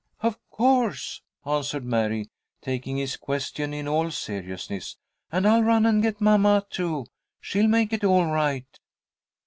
"Of course," answered Mary, taking his question in all seriousness. "And I'll run and get mamma, too. She'll make it all right."